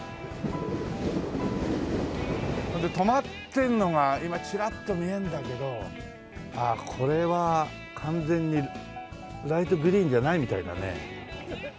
それで止まってるのが今チラッと見えるんだけどああこれは完全にライトグリーンじゃないみたいだね。